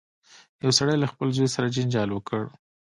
یو سړي له خپل زوی سره جنجال وکړ.